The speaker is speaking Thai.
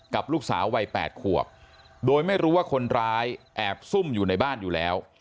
กับลูกสาววัย๘ขวบโดยไม่รู้ว่าคนร้ายแอบซุ่มอยู่ในบ้านอยู่แล้ว